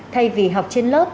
thay vì học trên lớp